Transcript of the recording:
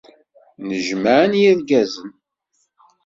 Nnejmaan yergazen.